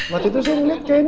waktu itu sih ngeliat kayaknya